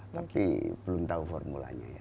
tapi belum tahu formulanya ya